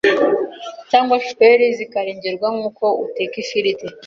cyangwa chapelure zikarengerwa nk’uko uteka ifiriti